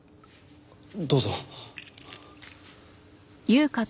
どうぞ。